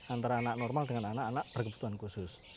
antara anak normal dengan anak anak berkebutuhan khusus